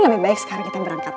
lebih baik sekarang kita berangkat